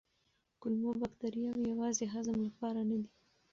کولمو بکتریاوې یوازې هضم لپاره نه دي.